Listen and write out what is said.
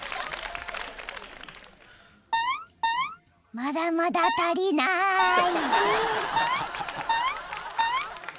［まだまだ足りない］